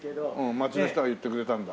街の人が言ってくれたんだ。